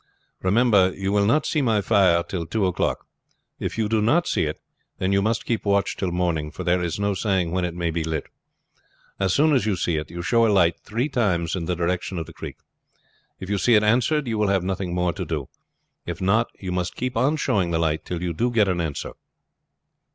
Remember you will not see my fire till two o'clock. If you do not see it then you must keep watch till morning, for there's no saying when it may be lit. As soon as you see it you show a light three times in the direction of the creek. If you see it answered you will have nothing more to do; if not you must keep on showing the light till you do get an answer.